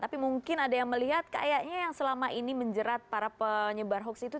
tapi mungkin ada yang melihat kayaknya yang selama ini menjerat para penyebar hoax itu